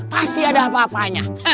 pasti ada apa apanya